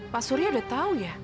pak surya udah tahu